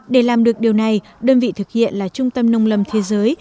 để làm được điều này đơn vị thực hiện là trung tâm nông lâm thế giới